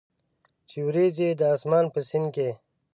چې اوریځي د اسمان په سیند کې،